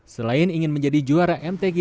selain ingin menjadi juara mtg